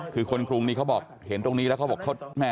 คือคนคลุงนี้เขาบอกเห็นตรงนี้แล้วเขาบอก